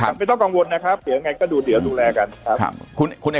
ไม่ต้องกังวลนะครับเดี๋ยวยังไงก็ดูเดี๋ยวดูแลกันครับ